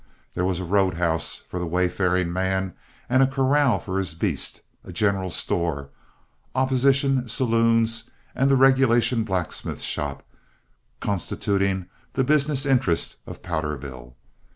There was a road house for the wayfaring man and a corral for his beast, a general store, opposition saloons, and the regulation blacksmith shop, constituting the business interests of Powderville.